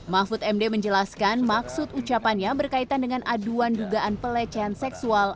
mahfud md menjelaskan maksud ucapannya berkaitan dengan aduan dugaan pelecehan seksual